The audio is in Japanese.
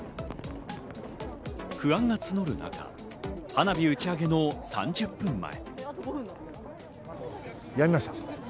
不安が募る中、花火打ち上げの３０分前。